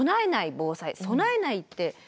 「備えない」って。